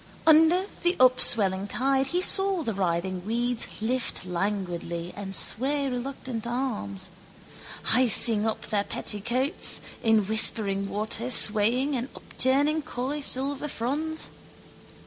Under the upswelling tide he saw the writhing weeds lift languidly and sway reluctant arms, hising up their petticoats, in whispering water swaying and upturning coy silver fronds.